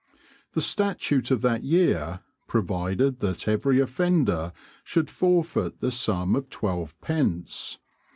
The statute of that year provided that every offender should forfeit the sum of twelve pence.